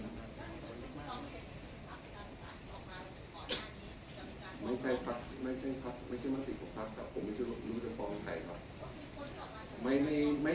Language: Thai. อ้าวผมไม่ทราบผมไม่ทราบผมไม่ได้นั่งฟังอยู่